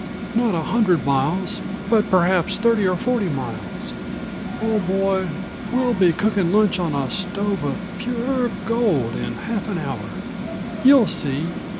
"Not a hundred miles but perhaps thirty or forty miles. Old boy, we'll be cooking lunch on a stove of pure140 gold in half an hour. You'll see!